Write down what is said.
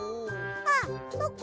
あっそっか。